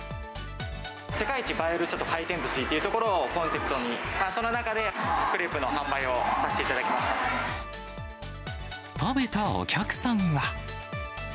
世界一映えるちょっと回転ずしというところをコンセプトに、その中でクレープの販売をさせて食べたお客さんは。